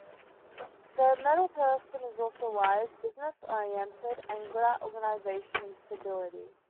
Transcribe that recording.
The metal person is also wise, business-oriented, and good at organization and stability.